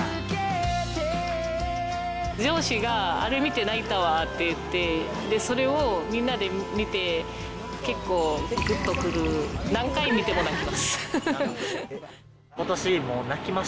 上司があれ見て泣いたわぁって言って、それをみんなで見て、結構、ぐっと来る、何回見ても泣きます。